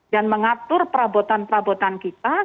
dan mengatur perabotan perabotan kita